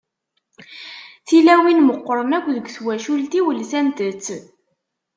Tilawin meqqren akk deg twacult-iw lsant-tt.